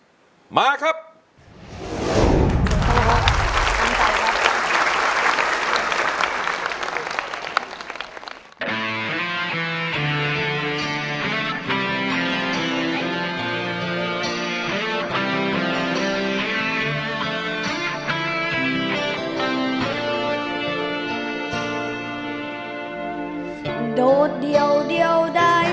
สมาธิพร้อมเพลงพร้อมร้องได้ให้ล้านเพลงที่๔มีมูลค่า๖๐๐๐๐บาท